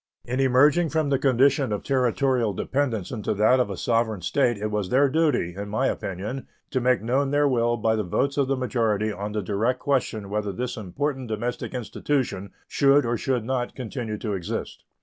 In emerging from the condition of Territorial dependence into that of a sovereign State it was their duty, in my opinion, to make known their will by the votes of the majority on the direct question whether this important domestic institution should or should not continue to exist.